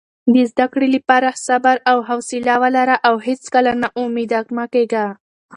د زده کړې لپاره صبر او حوصله ولره او هیڅکله نا امیده مه کېږه.